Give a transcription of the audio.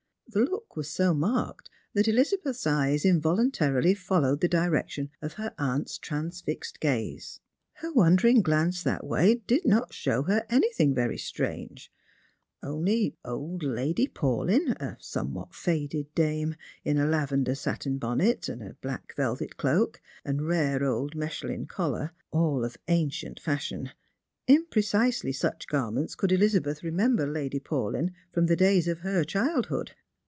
The look was so marked that Elizabeth's eyes involuntarily followed the direction of her aunt's transfixed gaze. Her wondering glance that way did not show her anything ▼ery strange — only old Lady Paulyn, a somewhat faded dame, in a lavender satin bonnet, a black velvet cloak, and rare old mechlin collar, all of ancient fashion. In precisely such garments could Elizabeth remember Lady Paulyn from the days of her childhood.